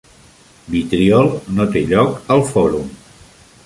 Vitriol no té lloc al fòrum.